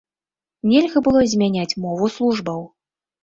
Нельга было змяняць мову службаў.